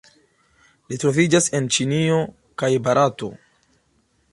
Ĝi troviĝas en Ĉinio kaj Barato.